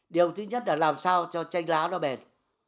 điều thứ nhất là làm sao cho tranh lá nó bền